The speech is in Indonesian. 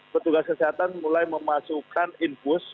petugas kesehatan mulai memasukkan infus